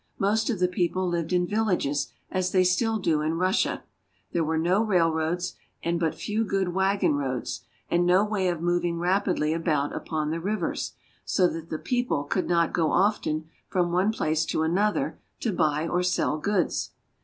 Most of the people lived in villages as they still do in Russia ; there were no railroads, and but few good wagon roads, and no way of moving rapidly about upon the rivers, so that the people could not go often from one place to another to buy or sell goods.